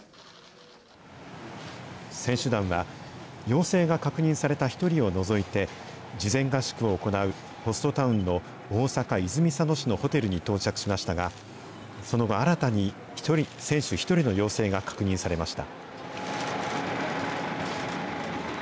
選手団は、陽性が確認された１人を除いて、事前合宿を行うホストタウンの大阪・泉佐野市のホテルに到着しましたが、その後、新たに選手１人の陽性が確認されました。